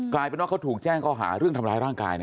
กลายเป็นว่าเขาถูกแจ้งเขาหาเรื่องทำร้ายร่างกายนะ